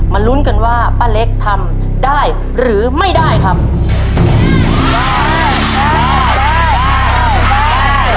มาลุ้นกันว่าป้าเล็กทำได้หรือไม่ได้ครับ